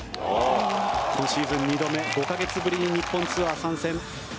今シーズン２度目５か月ぶりにシリーズ参戦。